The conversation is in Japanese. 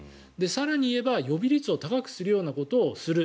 更に言えば予備率を高くするようなことをする。